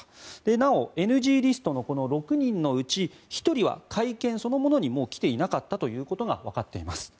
なおＮＧリストのこの６人のうち１人は会見そのものにもう来ていなかったことがわかっています。